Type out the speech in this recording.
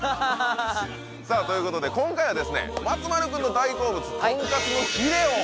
さあということで今回はですね松丸くんの大好物とんかつのヒレをうわ！